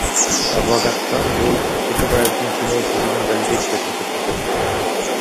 Адвокаттар бул Текебаевдин күнөөсүздүгүн далилдейт деп эсептешет.